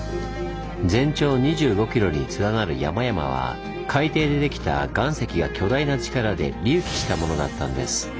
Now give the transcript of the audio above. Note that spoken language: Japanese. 全長２５ｋｍに連なる山々は海底でできた岩石が巨大な力で隆起したものだったんです。